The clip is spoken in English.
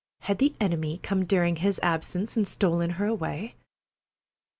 Had the enemy come during his absence and stolen her away?